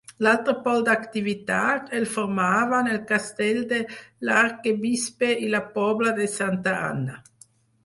L'altre pol d'activitat el formaven el Castell de l'Arquebisbe i la Pobla de Santa Anna.